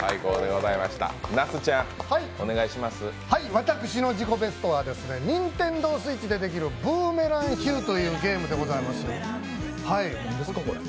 私の自己ベストはＮｉｎｔｅｎｄｏＳｗｉｔｃｈでできる「ブーメランヒュー」というゲームでございます。